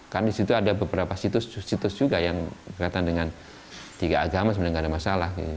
karena disitu ada beberapa situs situs juga yang berkaitan dengan tiga agama sebenarnya tidak ada masalah